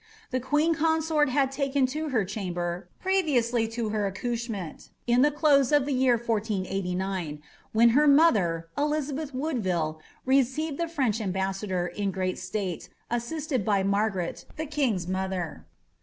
The queen consort had taken to her cham ber, previously to her accouchement, in the close of the year 1489, when her mother, Elizabeth Woodville, received the French ambassador* in great state, assisted by Margaret, the king's mother.